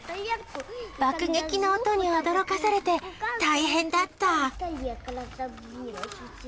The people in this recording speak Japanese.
爆撃の音に驚かされて、大変だった。